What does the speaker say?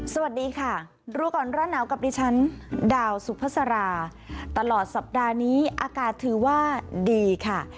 สวัสดีค่ะรู้ก่อนร้อนหนาวกับดิฉันดาวสุภาษาราตลอดสัปดาห์นี้อากาศถือว่าดีค่ะ